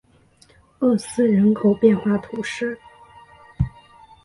厄斯人口变化图示